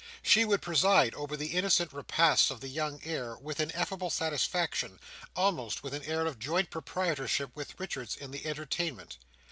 She would preside over the innocent repasts of the young heir, with ineffable satisfaction, almost with an air of joint proprietorship with Richards in the entertainment.